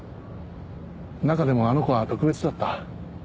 中でもあの子は特別だった。